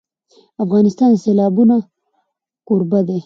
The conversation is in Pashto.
افغانستان د سیلابونه کوربه دی.